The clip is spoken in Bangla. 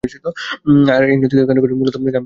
আর এই নদীকে কেন্দ্র করেই মূলত গাম্বিয়া গড়ে উঠেছে।